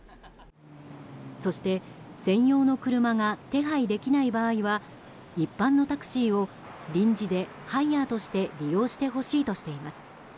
そして専用の車が手配できない場合は一般のタクシーを臨時でハイヤーとして利用してほしいとしています。